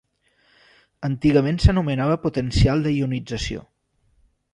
Antigament s'anomenava potencial de ionització.